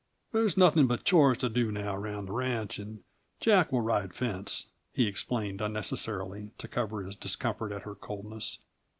"There's nothing but chores to do now around the ranch, and Jack will ride fence," he explained unnecessarily, to cover his discomfort at her coldness.